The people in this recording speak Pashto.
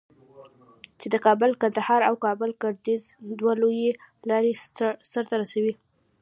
چې د کابل قندهار او کابل گردیز دوه لویې لارې سره تړي.